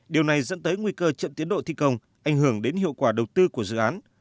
điều này dẫn tới nguy cơ chậm tiến độ thi công ảnh hưởng đến hiệu quả đầu tư của dự án